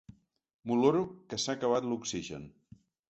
M'oloro que s'ha acabat l'oxigen.